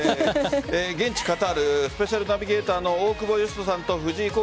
現地カタールスペシャルナビゲーターの大久保嘉人さんと藤井弘